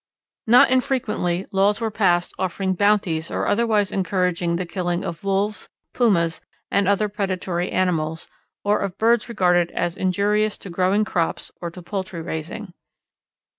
Not infrequently laws were passed offering bounties or otherwise encouraging the killing of wolves, pumas, and other predatory animals, or of birds regarded as injurious to growing crops or to poultry raising.